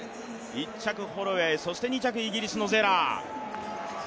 １着、ホロウェイ、そして２着はイギリスのゼラー。